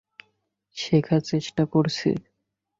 শেখার চেষ্টা করছি।